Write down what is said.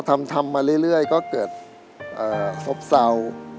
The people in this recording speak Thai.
ทำมาเรื่อยก็เกิดซบเศร้า